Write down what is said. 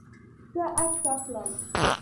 زه عکس اخلم